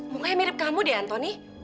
mukanya mirip kamu deh antoni